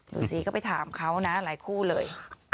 ดูสิก็ไปถามเขานะหลายคู่เลย